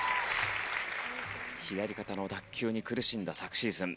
左肩の脱臼に苦しんだ昨シーズン。